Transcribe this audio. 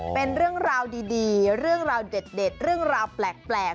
เป็นเรื่องราวดีเรื่องราวเด็ดเรื่องราวแปลก